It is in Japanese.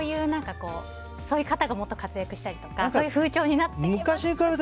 そういう方がもっと活躍したりとかそういう風潮になっていければ。